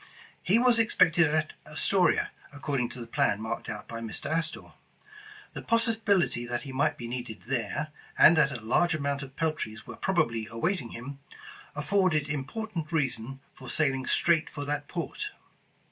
He was expected at Astoria, according to the plan marked out by Mr. Astor. The possibility that he might be needed there, and that a large amount of peltries were probably awaiting him, afforded important rea sons for sailing straight for that port.